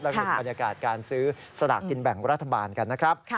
เห็นบรรยากาศการซื้อสลากกินแบ่งรัฐบาลกันนะครับ